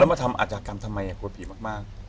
แล้วมาทำอัจจากรรมทำไมล่ะมาก